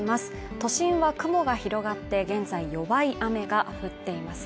都心は雲が広がって現在弱い雨が降っています